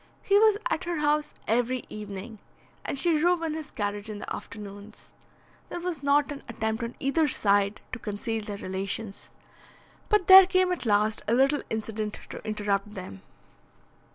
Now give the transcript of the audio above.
He was at her house every evening, and she drove in his carriage in the afternoons. There was not an attempt on either side to conceal their relations; but there came at last a little incident to interrupt them.